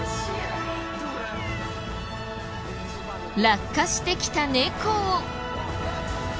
落下してきた猫を。